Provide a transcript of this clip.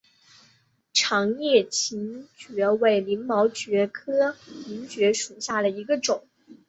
长叶黔蕨为鳞毛蕨科黔蕨属下的一个种。